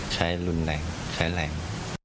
ใช้รุนแรงใช้แรง